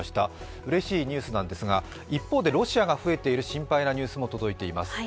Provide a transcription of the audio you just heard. うれしいニュースなんですが、一方でロシアが増えている心配なニュースも届いています。